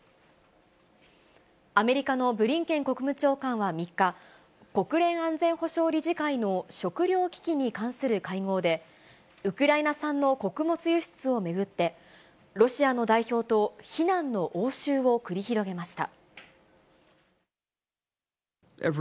アメリカのブリンケン国務長官は３日、国連安全保障理事会の食糧危機に関する会合で、ウクライナ産の穀物輸出を巡って、ロシアの代表と非難の応酬を繰り広げました。